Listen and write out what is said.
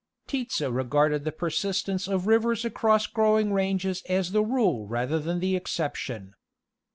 Tietze regarded the merenicnce of rivers across growing x ranges as the rule rather than the exception.